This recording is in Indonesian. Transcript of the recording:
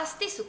ya udah yuk